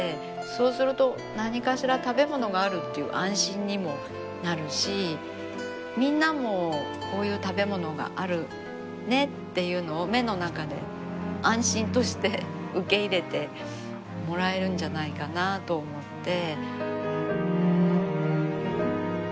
そうすると何かしら食べ物があるっていう安心にもなるしみんなもこういう食べ物があるねっていうのを目の中で安心として受け入れてもらえるんじゃないかなと思って。